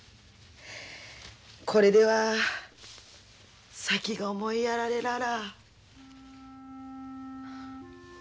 これでは先が思いやられらら。